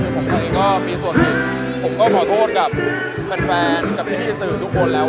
ผมก็ไม่ได้ผิดอะไรผมก็ขอโทษกับแฟนกับพี่พี่สื่อทุกคนแล้ว